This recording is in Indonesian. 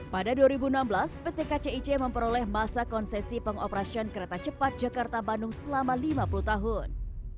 pada dua ribu enam belas pt kcic memperoleh masa konsesi pengoperasian kereta cepat jakarta bandung selama lima puluh tahun